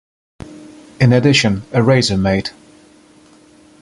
In addition, a Razormaid!